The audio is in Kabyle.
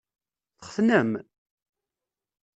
Txetnem?